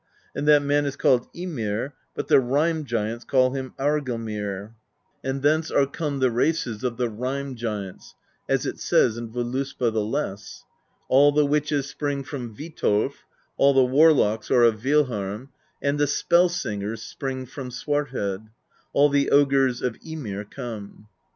And that man is named Ymir, but the Rime Giants call him Aurgelmir; i8 PROSE EDDA and thence are come the races of the Rime Giants, as it says in Voluspa the Less: All the witches spring from Witolf, All the warlocks are of Willharm, And the spell singers spring from Swarthead; All the ogres of Ymir come.